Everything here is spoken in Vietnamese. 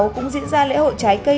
cũng diễn ra lễ hội trái cây